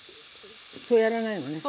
そうやらないのね。